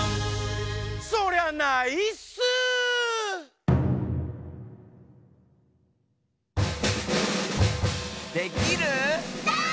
そりゃないっすー！